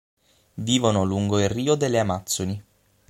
Vivono lungo il Rio delle Amazzoni.